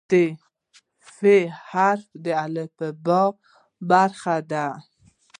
د "ف" حرف د الفبا برخه ده.